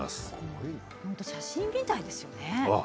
本当に写真みたいですよね。